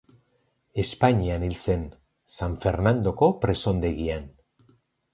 Espainian hil zen, San Fernandoko presondegian.